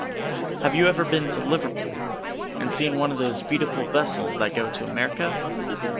Have you ever been to Liverpool, and seen one of those beautiful vessels that go to America?